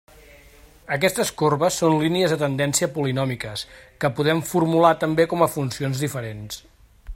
Aquestes corbes són línies de tendència polinòmiques, que podem formular també com a funcions diferents.